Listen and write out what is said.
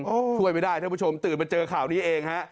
ช่วยไม่ได้ท่านผู้ชมตื่นมาเจอข่าวนี้เองฮะ